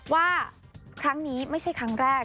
ว่าครั้งนี้ไม่ใช่ครั้งแรก